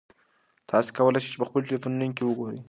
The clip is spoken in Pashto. تاسي کولای شئ په خپلو ټیلیفونونو کې وګورئ.